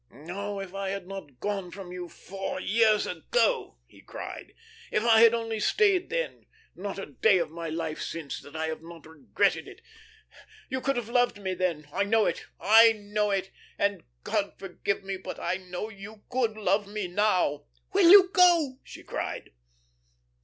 "Oh, if I had not gone from you four years ago!" he cried. "If I had only stayed then! Not a day of my life since that I have not regretted it. You could have loved me then. I know it, I know it, and, God forgive me, but I know you could love me now " "Will you go?" she cried.